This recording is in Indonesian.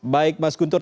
baik mas guntur